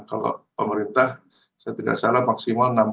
kalau pemerintah saya tidak salah maksimal enam puluh